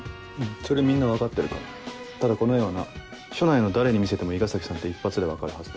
それみんな分かってるからただこの絵はな署内の誰に見せても伊賀崎さんって一発で分かるはずだ。